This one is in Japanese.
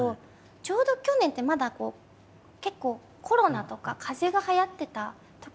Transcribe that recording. ちょうど去年ってまだ結構コロナとかかぜがはやってたときで。